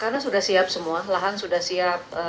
karena sudah siap semua lahan sudah siap